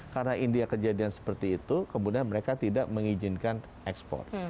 karena india kejadian seperti itu kemudian mereka tidak mengizinkan ekspor